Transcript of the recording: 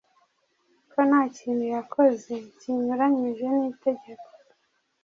ko nta kintu yakoze kinyuranyije n’itegeko.